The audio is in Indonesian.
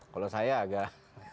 kalau saya agak